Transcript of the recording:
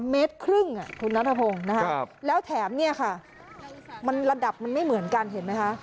เมตรครึ่งคุณนัทพงศ์นะคะแล้วแถมเนี่ยค่ะมันระดับมันไม่เหมือนกันเห็นไหมคะ